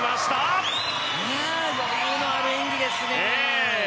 余裕のある演技ですね。